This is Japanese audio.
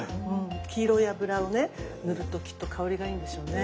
黄色い油をね塗るときっと香りがいいんでしょうね。